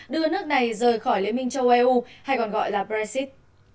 đưa nước này rời khỏi liên minh châu âu hay còn gọi là brexit